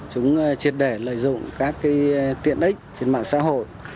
chúng triệt để lợi dụng các tiện ích trên mạng xã hội